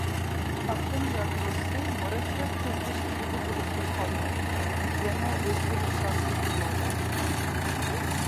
ئاتوم يادروسى مۇرەككەپ تۈزۈلۈشكە ئىگە بولۇپلا قالماي، يەنە ئۆزگىرىش ھاسىل قىلالايدۇ.